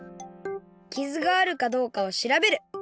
きずがあるかどうかをしらべる。